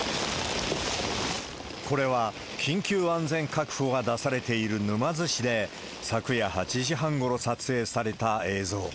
これは、緊急安全確保が出されている沼津市で、昨夜８時半ごろ撮影された映像。